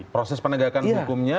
proses penegakan hukumnya